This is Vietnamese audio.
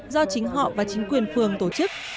do chính họ và chính quyền phường tổ chức